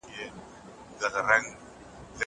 زه به سبا ليکنه کوم!!